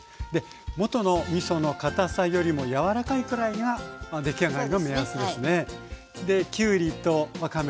元のみその堅さよりもやわらかいくらいが出来上がりの目安ですね。